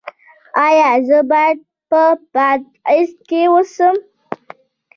ایا زه باید په بادغیس کې اوسم؟